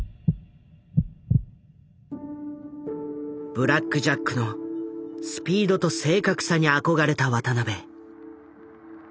ブラック・ジャックのスピードと正確さに憧れた渡邊。